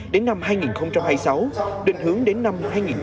đến năm hai nghìn hai mươi sáu định hướng đến năm hai nghìn ba mươi